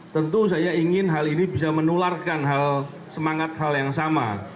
tentu saya ingin hal ini bisa menularkan semangat hal yang sama